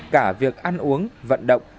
cả việc ăn uống vận động